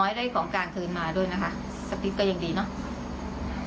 ขอให้ได้ของการคืนมาด้วยนะคะสักทีก็ยังดีเนอะ